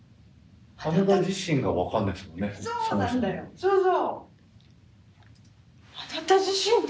そうそう。